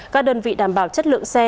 các đơn vị đảm bảo chất lượng xe